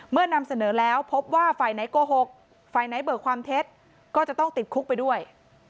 นำเสนอแล้วพบว่าฝ่ายไหนโกหกฝ่ายไหนเบิกความเท็จก็จะต้องติดคุกไปด้วย